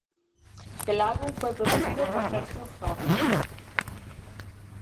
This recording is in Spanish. El álbum fue producido por Sergio George.